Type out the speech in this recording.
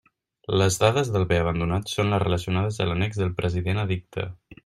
Les dades del bé abandonat són les relacionades a l'annex del present Edicte.